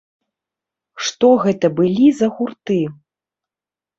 Што гэта былі за гурты?